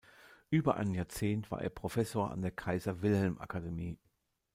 Über ein Jahrzehnt war er Professor an der Kaiser-Wilhelm-Akademie.